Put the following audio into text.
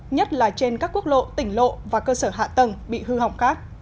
nhất là trên các quốc lộ tỉnh lộ và cơ sở hạ tầng bị hư hỏng khác